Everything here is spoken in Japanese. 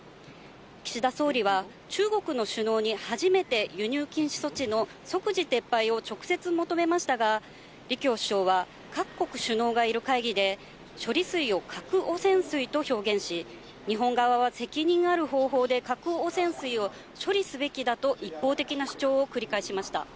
岸田総理は、中国の首脳に初めて輸入禁止措置の即時撤廃を直接求めましたが、李強首相は、各国首脳がいる会議で、処理水を核汚染水と表現し、日本側は責任ある方法で核汚染水を処理すべきだと一方的な主張を繰り返しました。